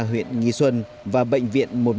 huyện nghi xuân và bệnh viện